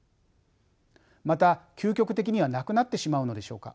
また究極的にはなくなってしまうのでしょうか？